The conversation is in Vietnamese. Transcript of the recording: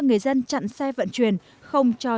người dân chặn xe vận chuyển không cho